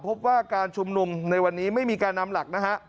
พบว่าการชุมนุมในวันนี้ไม่มีการนำหลักนะฮะ